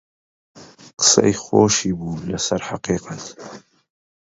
قسەی خۆشی بوو لەسەر حەقیقەت